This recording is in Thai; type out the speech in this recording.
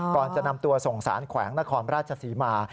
ก่อนจะนำตัวส่งสารแขวงนครราชศรีมา